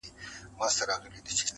نه ماتېږي مي هیڅ تنده بې له جامه،